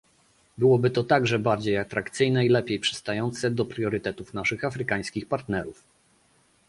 Byłoby to także bardziej atrakcyjne i lepiej przystające do priorytetów naszych afrykańskich partnerów